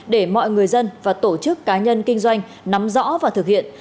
để mọi người dân và tổ chức cá nhân kinh doanh nắm rõ và thực hiện